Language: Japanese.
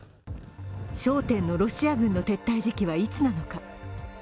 焦点のロシア軍の撤退時期はいつなのか。